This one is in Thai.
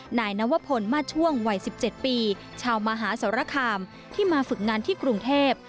นายนวพลมาช่วงวัย๑๗ปีชาวมหาสรคามที่มาฝึกงานที่กรุงเทพ